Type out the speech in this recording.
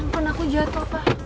anjir aku jatuh pak